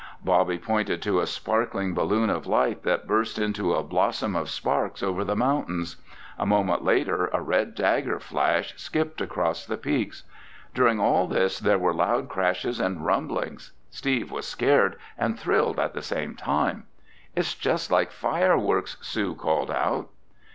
Bobby pointed to a sparkling balloon of light that burst into a blossom of sparks over the mountains. A moment later a red dagger flash skipped across the peaks. During all this there were loud crashes and rumblings. Steve was scared and thrilled at the same time. "It's just like fireworks!" Sue called out.